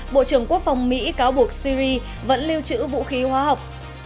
bộ trưởng quốc phòng mỹ cáo buộc syri vẫn lưu trữ vũ khí hóa học